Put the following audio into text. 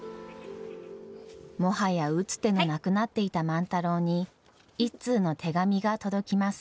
もはや打つ手のなくなっていた万太郎に一通の手紙が届きます。